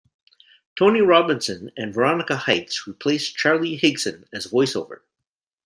Tony Robinson and Veronika Hyks replaced Charlie Higson as voiceover.